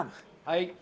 はい。